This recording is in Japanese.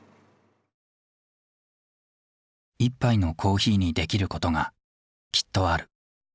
１杯のコーヒーにできることがきっとある。